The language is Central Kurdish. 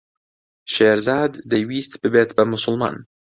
شێرزاد دەیویست ببێت بە موسڵمان.